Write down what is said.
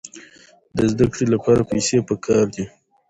د زده کړې لپاره پیسې پکار دي.